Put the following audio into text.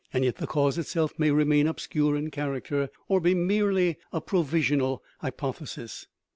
Yet the cause itself may remain obscure in character, or be merely a " provisional hypothesis.